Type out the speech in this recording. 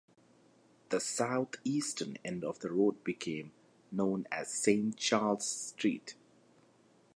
The southeastern end of the road became known as Saint Charles Street.